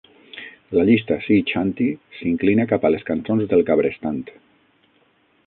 La llista Sea Chanty s'inclina cap a les cançons del cabrestant.